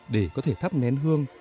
để có thể thắp nén hương